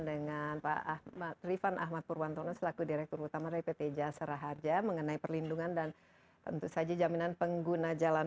dengan pak ahmad rifan ahmad purwantono selaku direktur utama dari pt jasara harja mengenai perlindungan dan tentu saja jaminan pengguna jalan